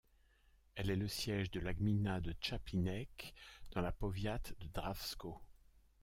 Elle est le siège de la gmina de Czaplinek, dans le powiat de Drawsko.